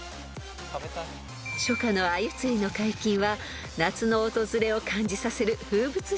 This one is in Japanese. ［初夏のあゆ釣りの解禁は夏の訪れを感じさせる風物詩となっています］